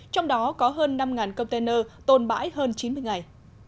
trong đó có hơn năm container tồn bãi hơn chín mươi ngày